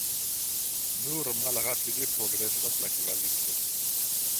Nur malrapide progresas la kvalito.